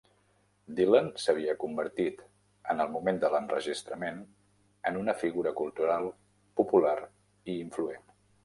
Dylan s'havia convertit, en el moment de l'enregistrament, en una figura cultural, popular i influent.